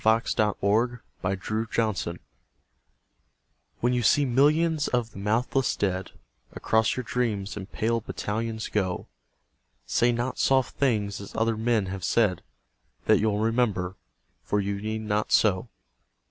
XCI The Army of Death WHEN you see millions of the mouthless dead Across your dreams in pale battalions go, Say not soft things as other men have said, That you'll remember. For you need not so.